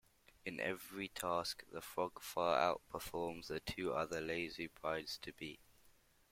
In every task, the frog far outperforms the two other lazy brides-to-be.